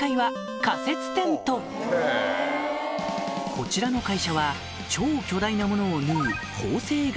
こちらの会社は超巨大なものを縫う